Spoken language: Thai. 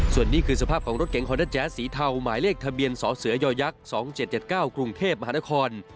ส่วนนี้คือสภาพของรถเก๋งฮอนด้าแจ๊สสีเทาหมายเลขทะเบียนสเสย๒๗๗๙กรุงเทพมหานคร